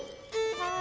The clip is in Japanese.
はい。